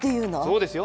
そうですよ。